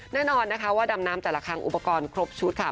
แน่นอนนะคะว่าดำน้ำแต่ละครั้งอุปกรณ์ครบชุดค่ะ